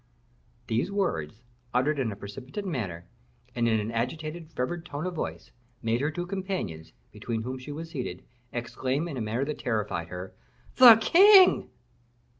These words, uttered in a precipitate manner, and in an agitated, fervid tone of voice, made her two companions, between whom she was seated, exclaim in a manner that terrified her, "_The king!